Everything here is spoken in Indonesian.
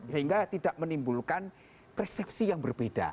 sehingga tidak menimbulkan persepsi yang berbeda